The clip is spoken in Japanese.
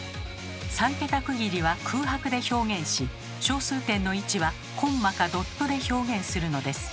３桁区切りは空白で表現し小数点の位置はコンマかドットで表現するのです。